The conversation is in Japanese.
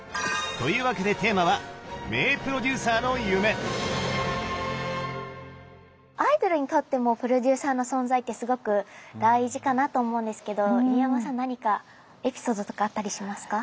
というわけでアイドルにとってもプロデューサーの存在ってすごく大事かなと思うんですけど入山さんは何かエピソードとかあったりしますか？